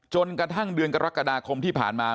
จนกระทั่งเดือนกรกฎาคมที่ผ่านมา